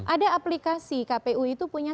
ada aplikasi kpu itu punya